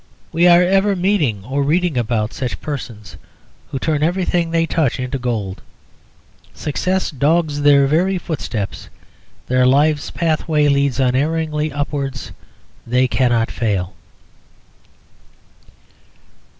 We are ever meeting or reading about such persons who turn everything they touch into gold. Success dogs their very footsteps. Their life's pathway leads unerringly upwards. They cannot fail."